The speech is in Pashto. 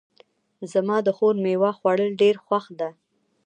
زما د خور میوه خوړل ډېر خوښ ده